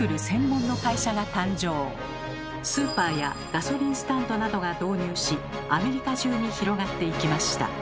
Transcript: スーパーやガソリンスタンドなどが導入しアメリカ中に広がっていきました。